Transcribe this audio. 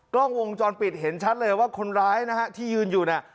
กล้องวงจรปิดเห็นชัดเลยว่าคนร้ายนะฮะที่ยืนอยู่เนี่ย